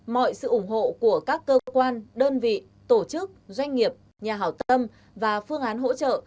mọi sự ủng hộ của các cơ quan đơn vị tổ chức doanh nghiệp nhà hảo tâm và phương án hỗ trợ